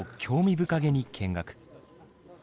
深げに見学。